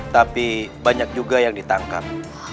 tapi banyak juga yang ditangkap